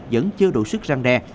vẫn chưa đủ sức răng đe